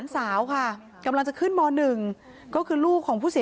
พระเจ้าที่อยู่ในเมืองของพระเจ้า